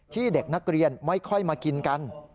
เด็กนักเรียนไม่ค่อยมากินกัน